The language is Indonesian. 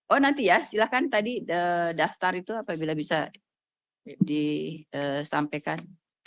oh nanti ya silahkan tadi daftar itu apabila bisa disampaikan